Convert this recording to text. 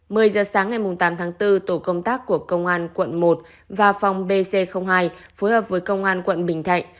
trước sáng ngày tám tháng bốn tổ công tác của công an quận một và phòng bc hai phối hợp với công an quận bình thạnh